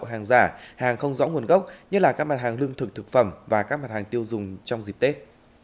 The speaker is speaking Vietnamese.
hàng giả hàng không rõ nguồn gốc nhất là các mặt hàng lương thực thực phẩm và các mặt hàng tiêu dùng trong dịp tết